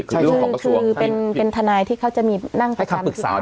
คือเรื่องของกระทรวงคือเป็นเป็นทนายที่เขาจะมีนั่งไปให้เขาปรึกษา